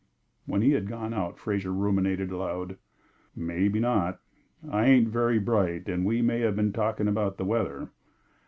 When he had gone out, Fraser ruminated aloud: "Maybe not! I ain't very bright, and we may have been talking about the weather.